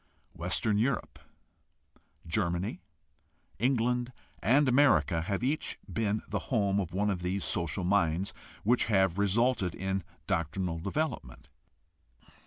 Western Europe, Germany, England, and America have each been the home of one of these social minds which have resulted in doctrinal development.